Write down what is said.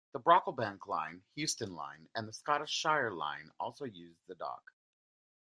The Brocklebank Line, Houston Line and the Scottish Shire Line also used the dock.